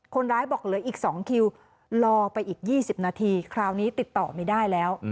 คนร้ายบอกเหลืออีก๒คิวรอไปอีก๒๐นาทีคราวนี้ติดต่อไม่ได้แล้ว